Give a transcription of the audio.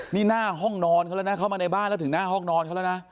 นี่หน้าห้องนอนเขาแล้วนะเข้ามาในบ้านแล้วถึงหน้าห้องนอนเขาแล้วนะ